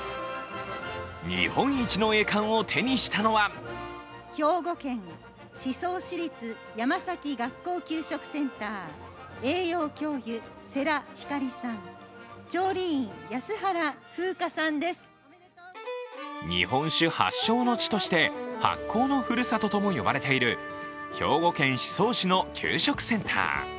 日本一の栄冠を手にしたのは日本酒発祥の地として発酵のふるさととも呼ばれている兵庫県宍粟市の給食センター。